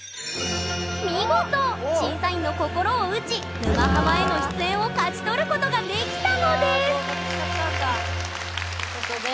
見事審査員の心を打ち「沼ハマ」への出演を勝ち取ることができたのです！ということで。